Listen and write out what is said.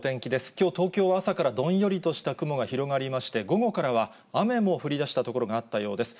きょう、東京は朝からどんよりとした雲が広がりまして、午後からは雨も降りだした所があったようです。